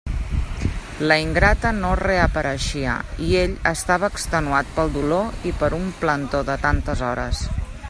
La ingrata no reapareixia, i ell estava extenuat pel dolor i per un plantó de tantes hores.